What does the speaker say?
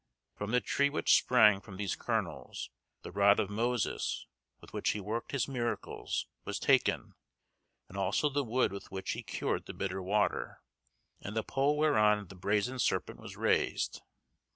From the tree which sprang from these kernels, the rod of Moses, with which he worked his miracles, was taken, and also the wood with which he cured the bitter water, and the pole whereon the brazen serpent was raised.